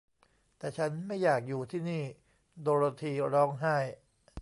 แต่ฉันไม่อยากอยู่ที่นี่ โดโรธีร้องไห้